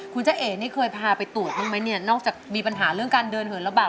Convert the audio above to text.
คุณเจ้าเอ๋นี่เคยพาไปตรวจบ้างไหมเนี่ยนอกจากมีปัญหาเรื่องการเดินเหินระบาด